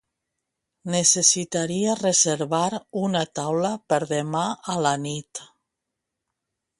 Necessitaria reservar una taula per demà a la nit.